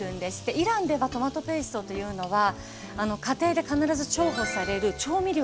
イランではトマトペーストというのは家庭で必ず重宝される調味料です。